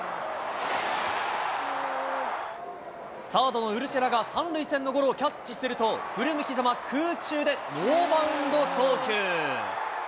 サードのウルシェラが３塁線のゴロをキャッチすると、振り向きざま、空中でノーバウンド送球。